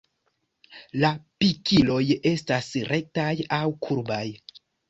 La pikiloj estas rektaj aŭ kurbaj.